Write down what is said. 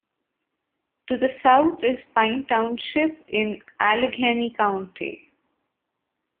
To the south is Pine Township in Allegheny County.